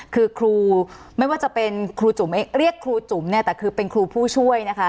คือครูไม่ว่าจะเป็นครูจุ๋มเรียกครูจุ๋มเนี่ยแต่คือเป็นครูผู้ช่วยนะคะ